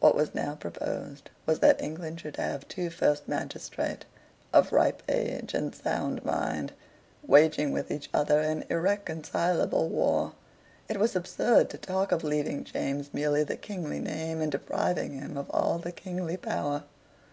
What was now proposed was that England should have two first magistrate, of ripe age and sound mind, waging with each other an irreconcilable war. It was absurd to talk of leaving James merely the kingly name, and depriving him of all the kingly power.